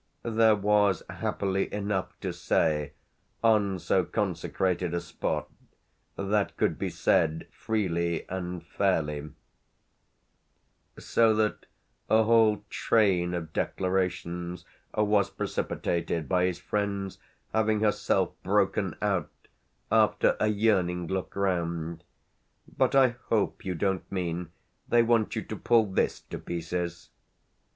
There was happily enough to say, on so consecrated a spot, that could be said freely and fairly; so that a whole train of declarations was precipitated by his friend's having herself broken out, after a yearning look round: "But I hope you don't mean they want you to pull this to pieces!"